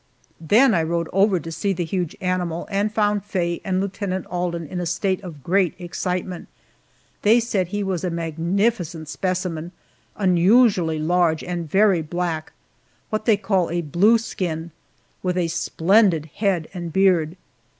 Then I rode over to see the huge animal, and found Faye and Lieutenant Alden in a state of great excitement. They said he was a magnificent specimen unusually large, and very black what they call a blue skin with a splendid head and beard.